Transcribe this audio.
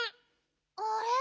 あれ？